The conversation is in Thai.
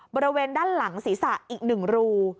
บริเวณด้านหลังศีรษะอีก๑รู